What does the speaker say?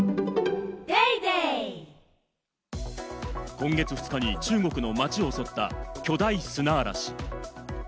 今月２日に中国の街を襲った巨大砂嵐。